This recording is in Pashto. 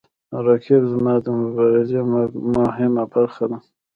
رقیب زما د مبارزې مهمه برخه ده